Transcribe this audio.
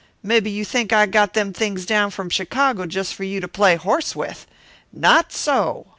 Mebbe you think I got them things down from Chicago just for you to play horse with. Not so!